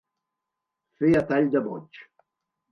Fer a tall de boig.